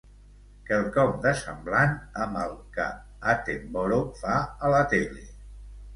Quelcom de semblant amb el que Attenborough fa a la tele.